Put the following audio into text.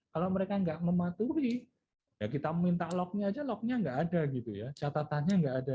kalau mereka nggak mematuhi ya kita minta lognya aja lognya nggak ada gitu ya catatannya nggak ada